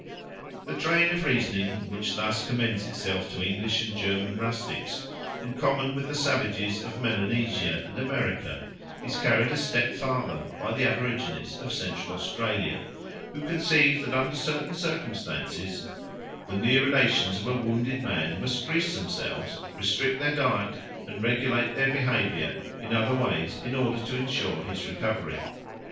The train of reasoning which thus commends itself to English and German rustics, in common with the savages of Melanesia and America, is carried a step further by the aborigines of Central Australia, who conceive that under certain circumstances the near relations of a wounded man must grease themselves, restrict their diet, and regulate their behaviour in other ways in order to ensure his recovery.